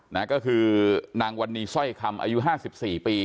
นะก็คือนางวันนี้สร้อยคำอายุห้าสิบสี่ปี